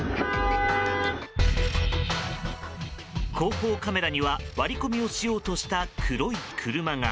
後方カメラには割り込みをしようとした黒い車が。